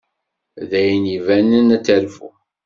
D ayen ibanen ad terfu.